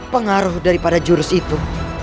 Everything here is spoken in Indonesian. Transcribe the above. pengaruh daripada jurus itu